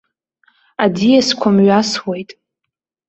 Аӡиасқәа мҩасуеит.